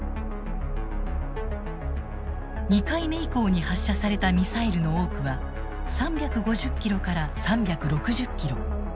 ２回目以降に発射されたミサイルの多くは３５０ｋｍから３６０ｋｍ。